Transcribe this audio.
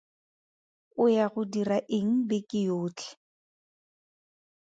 O ya go dira eng beke yotlhe?